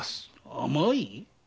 甘い？